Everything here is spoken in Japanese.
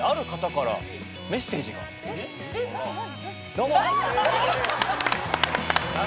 ・どうも。